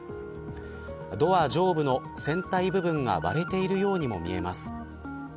ドア上部の船体部分が割れているようにも見えます。